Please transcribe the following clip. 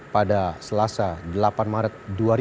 pada selasa delapan maret dua ribu dua puluh